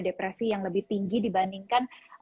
depresi yang lebih tinggi dibandingkan